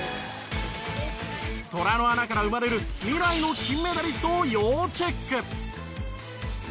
虎の穴から生まれる未来の金メダリストを要チェック。